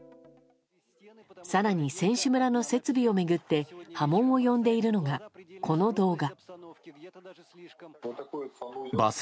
更に、選手村の設備を巡って波紋を呼んでいるのが、この動画。